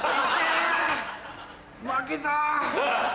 負けた。